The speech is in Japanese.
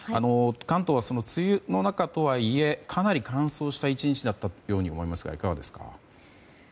関東は梅雨の中とはいえかなり乾燥した１日だったように思いますが、いかがですか。